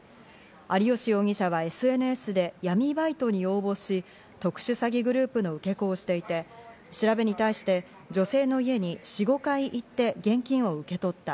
有吉容疑者はＳＮＳで闇バイトに応募し、特殊詐欺グループの受け子をしていて調べに対して女性の家に４５回行って現金を受け取った。